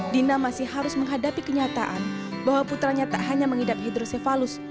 dina masih harus menghadapi kenyataan bahwa putranya tak hanya mengidap hidrosefalus